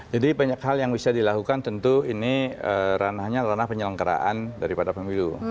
jadi banyak hal yang bisa dilakukan tentu ini ranahnya ranah penyelenggaraan daripada pemilu